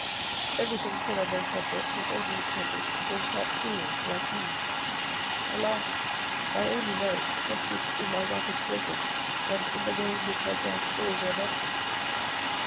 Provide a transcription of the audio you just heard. Everything said on those subjects is only intended to entrap fools like me. Alas my only merit consists in my rapid progress, and in the way in which I grasp all their nonsense.